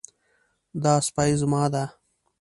دا سپی زما ده